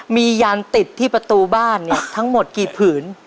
มียานติดที่ประตูบ้านเนี่ยทั้งหมดกี่ผืน